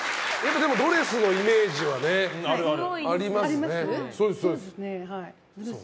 でも、ドレスのイメージはありますね。